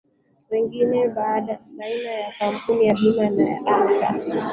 wingine baina ya kampuni ya bima ya accer